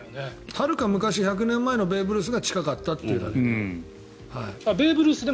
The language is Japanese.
はるか昔１００年前のベーブ・ルースが近かったというだけで。